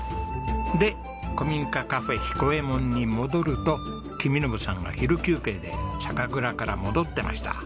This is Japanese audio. で古民家カフェ彦右衛門に戻ると公伸さんが昼休憩で酒蔵から戻ってました。